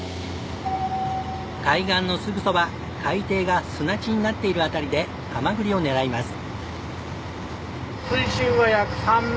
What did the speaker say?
海岸のすぐそば海底が砂地になっている辺りでハマグリを狙います。